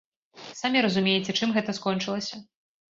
Самі разумееце, чым гэта скончылася.